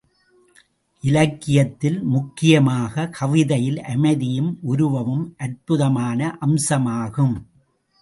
இலக்கியத்தில், முக்கியமாக, கவிதையில் அமைதியும் உருவமும் அற்புதமான அம்சமாகும்.